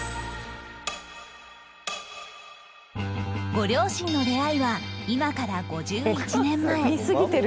ご両親の出会いは今から５１年前似すぎてる。